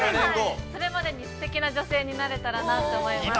◆それまでにすてきな女性になれたらなと思います。